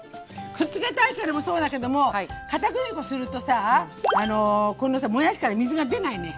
くっつけたいからもそうだけどもかたくり粉するとさこのさもやしから水が出ないね。